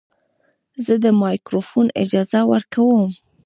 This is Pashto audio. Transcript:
زه د مایکروفون اجازه ورکوم.